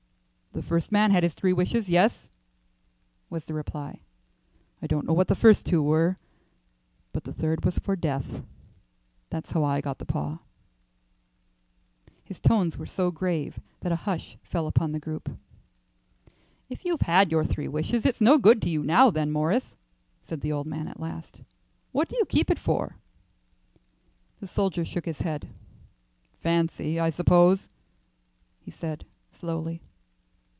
"The first man had his three wishes. Yes," was the reply; "I don't know what the first two were, but the third was for death. That's how I got the paw." His tones were so grave that a hush fell upon the group. "If you've had your three wishes, it's no good to you now, then, Morris," said the old man at last. "What do you keep it for?" The soldier shook his head. "Fancy, I suppose," he said, slowly.